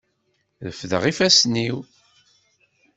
Refdeɣ ifassen-iw.